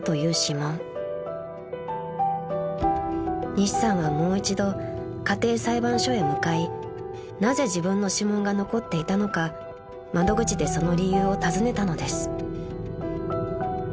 ［西さんはもう一度家庭裁判所へ向かいなぜ自分の指紋が残っていたのか窓口でその理由を尋ねたのです］